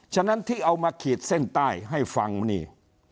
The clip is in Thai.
ฉะนั้นที่เอามาขีดเส้นใต้ให้ฟังนี่